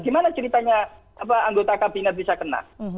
gimana ceritanya anggota kabinet bisa kena